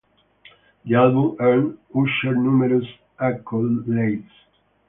The album earned Usher numerous accolades.